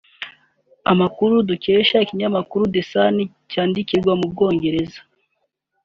Amakuru dukesha ikinyamakuru the sun cyandikirwa mu Bwongereza